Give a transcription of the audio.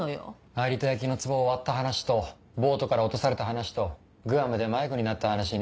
有田焼のつぼを割った話とボートから落とされた話とグアムで迷子になった話ね。